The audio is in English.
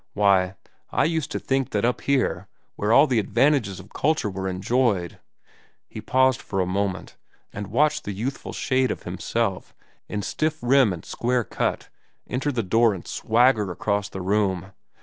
Why, I used to think that up here, where all the advantages of culture were enjoyed—" He paused for a moment, and watched the youthful shade of himself, in stiff rim and square cut, enter the door and swagger across the room.